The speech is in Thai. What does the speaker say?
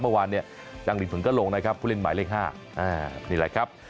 เมื่อวานเนี่ยจังหลินฝึงก็ลงนะครับผู้เล่นหมายเลข๕นี่แหละครับ